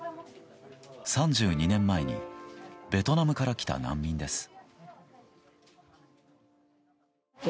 ３２年前にベトナムから来た難民です。